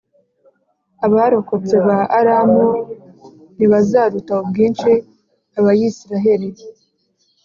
abarokotse ba Aramu ntibazaruta ubwinshi Abayisraheli.